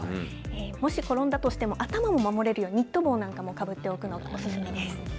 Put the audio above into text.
もし転んだとしても、頭を守れるように、ニット帽なんかをかぶっておくのがお勧めです。